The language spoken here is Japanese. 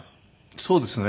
そうですね。